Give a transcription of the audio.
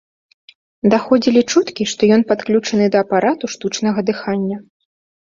Даходзілі чуткі, што ён падключаны да апарату штучнага дыхання.